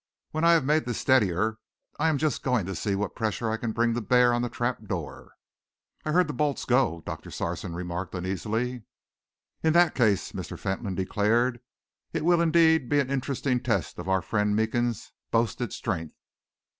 "When I have made this steadier, I am just going to see what pressure I can bring to bear on the trap door." "I heard the bolts go," Doctor Sarson remarked uneasily. "In that case," Mr. Fentolin declared, "it will indeed be an interesting test of our friend Meekins' boasted strength.